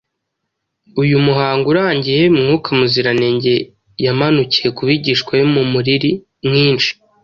Uyu muhango urangiye, Mwuka Muziranenge yamanukiye ku bigishwa be mu muriri mwinshi,